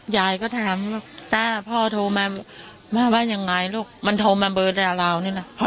ยายก็ถามต้าพ่อโทรมาว่ายังไงลูกมันโทรมาเบอร์ดาลาวนี่แหละ